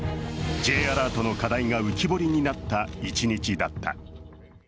Ｊアラートの課題が浮き彫りになった一日だった。